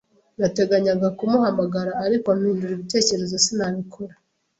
Nateganyaga kumuhamagara, ariko mpindura ibitekerezo sinabikora.